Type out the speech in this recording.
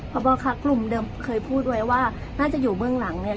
พบค่ะกลุ่มเดิมเคยพูดไว้ว่าน่าจะอยู่เบื้องหลังเนี่ย